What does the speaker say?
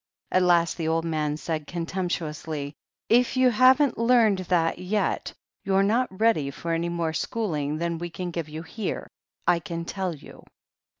At last the old man said contemptuously : "If you haven't learnt that yet, you're not ready for any more schooling than we can give you here, I can tell you."